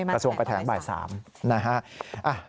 กระทรวงกระแทนบ่าย๓นะฮะ